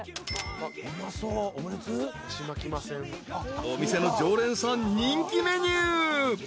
［お店の常連さん人気メニュー］